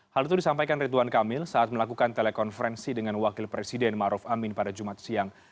hal itu disampaikan ridwan kamil saat melakukan telekonferensi dengan wakil presiden maruf amin pada jumat siang